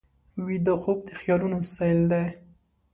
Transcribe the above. ویده خوب د خیالونو سیل دی